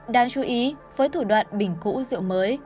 đáng chú ý với thủ đoạn bình cũ rượu mới